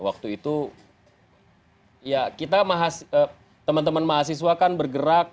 waktu itu ya kita teman teman mahasiswa kan bergerak